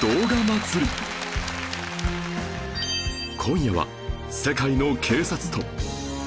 今夜は世界の警察と